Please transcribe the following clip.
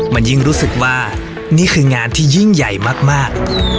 มันยิ่งรู้สึกว่านี่คืองานที่ยิ่งใหญ่มาก